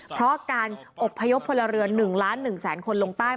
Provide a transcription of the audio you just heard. เพราะการอบพยพพลเรือน๑ล้าน๑แสนคนลงใต้